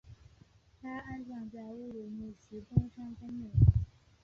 他安葬在乌鲁木齐东山公墓。